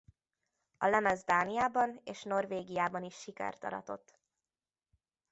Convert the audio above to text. A lemez Dániában és Norvégiában is sikert aratott.